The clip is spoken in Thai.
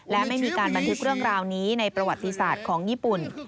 และไม่มีการบันทึกเรื่องราวนี้ในประวัติศาสตร์ของญี่ปุ่น